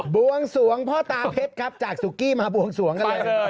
วงสวงพ่อตาเพชรครับจากสุกี้มาบวงสวงกันเลย